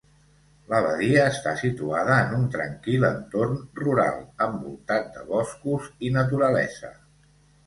L'abadia està situada en un tranquil entorn rural, envoltat de boscos i naturalesa.